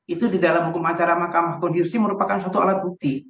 itu di dalam hukum acara mahkamah konstitusi merupakan suatu alat bukti